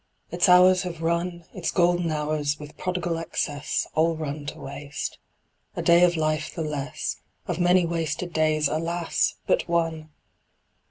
Its hours have run, Its golden hours, with prodigal excess, All run to waste. A day of life the less; Of many wasted days, alas, but one!